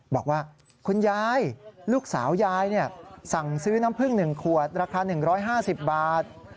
บอกว่าคุณยายลูกสาวยายสั่งซื้อน้ำพึ่ง๑ขวดราคา๑๕๐บาท